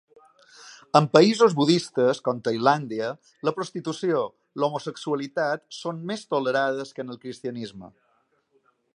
En països budistes com Tailàndia, la prostitució, l'homosexualitat són més tolerades que en el cristianisme.